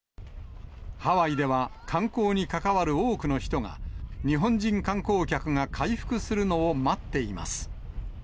ハワイでは、観光に関わる多くの人が、日本人観光客が回復するのを待っています。